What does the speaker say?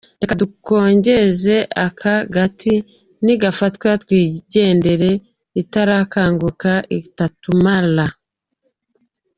Reka dukongeze aka gati, ni gafatwa twigendere itarakanguka itatumara!